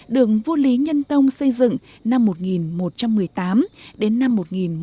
được vua lý nhân tông xây dựng năm một nghìn một trăm một mươi tám đến năm một nghìn một trăm hai mươi một